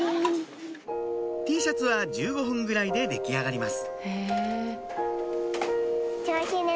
Ｔシャツは１５分ぐらいで出来上がります